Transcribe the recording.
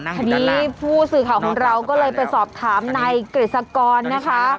ทีนี้ผู้สื่อข่าวของเราก็เลยไปสอบถามนายกฤษกรนะคะ